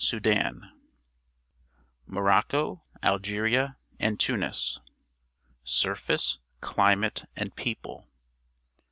^ MOROCCO, ALGERIA, AND TUNIS ^>h^ Surface, Climate, and People.